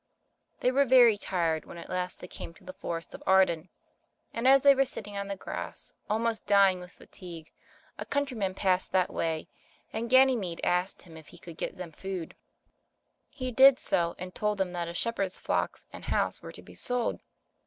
They were very tired when at last they came to the Forest of Arden, and as they were sitting on the grass, almost dying with fatigue, a countryman passed that way, and Ganymede asked him if he could get them food* He did so, and told them that a shepherd's flocks and house were to be sold.